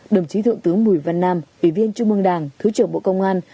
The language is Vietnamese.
đồng chí thượng tướng mùi văn nam ủy viên trung ương đảng thứ trưởng bộ công an